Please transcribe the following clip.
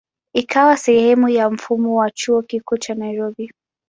Ikawa sehemu ya mfumo wa Chuo Kikuu cha Nairobi.